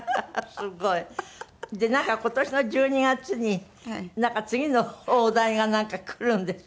でなんか今年の１２月に次の大台がくるんですって？